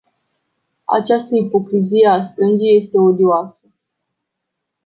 Această ipocrizie a stângii este odioasă.